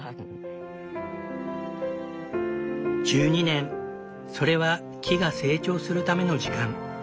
１２年それは木が成長するための時間。